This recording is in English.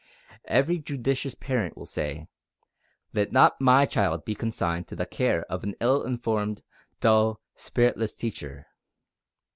Every judicious parent will say: Let not my child be consigned to the care of an ill informed, dull, spiritless teacher.